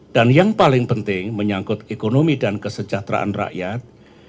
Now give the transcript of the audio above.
dan yang paling penting menyangkut ekonomi dan kesejahteraan rakyat